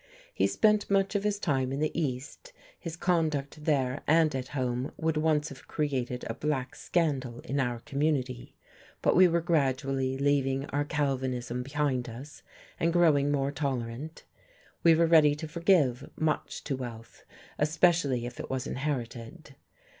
He spent much of his time in the East; his conduct there and at home would once have created a black scandal in our community, but we were gradually leaving our Calvinism behind us and growing more tolerant: we were ready to Forgive much to wealth especially if it was inherited.